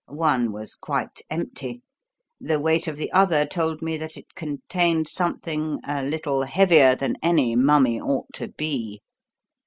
One was quite empty. The weight of the other told me that it contained something a little heavier than any mummy ought to be.